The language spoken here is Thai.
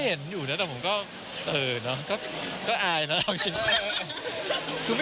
เหรอมันมีอาหารอะไรเหรอ